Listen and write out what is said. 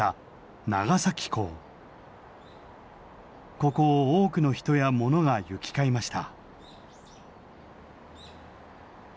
ここを多くの人や物が行き交いました。